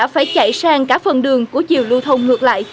phải chạy sang cả phần đường của chiều lưu thông ngược lại